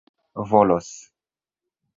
volos